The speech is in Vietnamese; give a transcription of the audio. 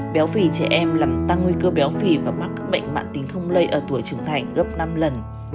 béo phỉ trẻ em làm tăng nguy cơ béo phỉ và mắc các bệnh mạng tình không lây ở tuổi trưởng thành gấp năm lần